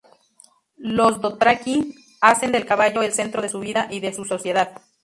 Los Dothraki hacen del caballo el centro de su vida y de su sociedad.